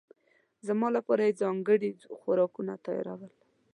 زما لپاره یې ځانګړي خوراکونه تيارول.